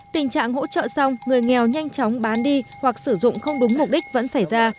tình trạng hỗ trợ xong người nghèo nhanh chóng bán đi hoặc sử dụng không đúng mục đích vẫn xảy ra